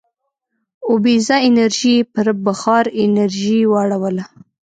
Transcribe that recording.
اوبیزه انرژي یې پر بخار انرژۍ واړوله.